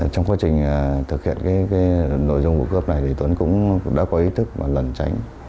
trong quá trình thực hiện nội dung của cướp này tuấn cũng đã có ý thức và lần tránh